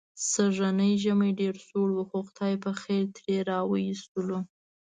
سږنی ژمی ډېر سوړ و، خو خدای پخېر ترې را و ایستلو.